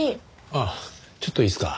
あっちょっといいですか？